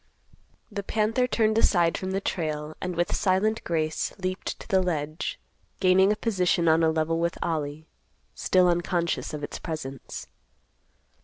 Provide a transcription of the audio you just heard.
The panther turned aside from the trail and with silent grace leaped to the ledge, gaining a position on a level with Ollie—still unconscious of its presence.